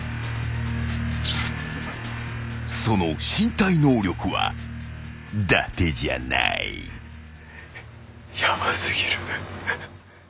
［その身体能力はだてじゃない］ヤバ過ぎる。